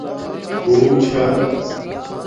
تُون چھا